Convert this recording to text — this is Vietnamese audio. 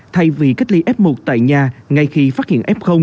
thay vì cách ly f một tại nhà ngay khi phát hiện f